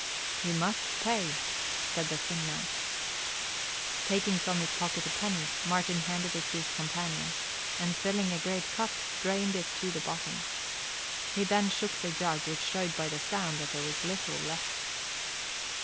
"You must pay," said the thin man. Taking from his pocket a penny, Martin handed it to his companion and filling a great cup, drained it to the bottom. He then shook the jug, which showed by the sound that there was little left.